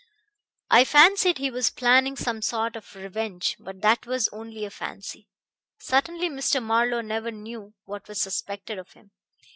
I fancied he was planning some sort of revenge; but that was only a fancy. Certainly Mr. Marlowe never knew what was suspected of him.